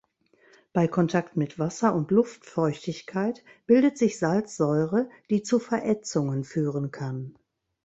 Bei Kontakt mit Wasser und Luftfeuchtigkeit bildet sich Salzsäure, die zu Verätzungen führen kann.